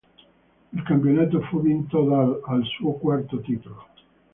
Il campionato fu vinto dall', al suo quarto titolo.